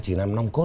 chỉ làm nong cốt